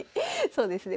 そうですね